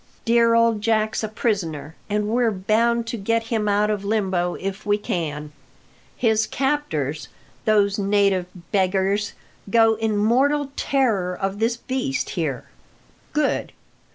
Dear old Jack's a prisoner, and we're bound to get him out of limbo if we can. His captors those native beggars go in mortal terror of this beast here. Good!